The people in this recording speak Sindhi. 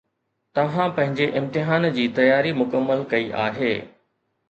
توهان پنهنجي امتحان جي تياري مڪمل ڪئي آهي